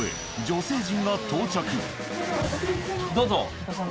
どうぞ。